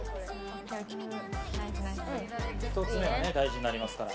１つ目がね大事になりますから。